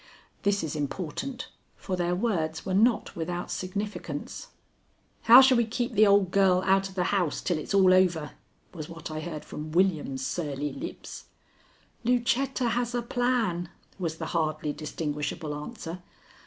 This is important, for their words were not without significance. "How shall we keep the old girl out of the house till it is all over?" was what I heard from William's surly lips. "Lucetta has a plan," was the hardly distinguishable answer.